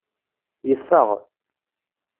Yeffeɣ.